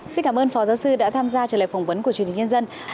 xin cảm ơn phó giáo sư đã tham gia trả lời phỏng vấn của truyền hình nhân dân